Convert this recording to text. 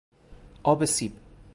آب سیب